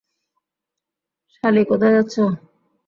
সালি, কোথায় যাচ্ছো?